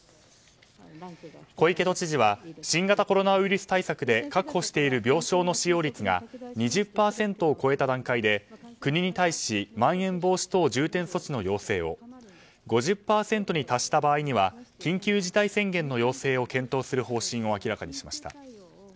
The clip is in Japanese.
小池都知事は新型コロナウイルス対策で確保している病床の使用率が２０％を超えた段階で国に対しまん延防止等重点措置の要請を５０％に達した場合には緊急事態宣言の要請を検討する方針を明らかにしました。